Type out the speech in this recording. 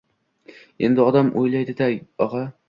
Endi odam o‘ylaydi-da, og‘a